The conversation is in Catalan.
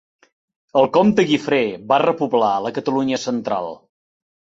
El comte Guifré va repoblar la Catalunya Central.